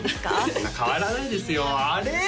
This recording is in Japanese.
そんな変わらないですよあれ？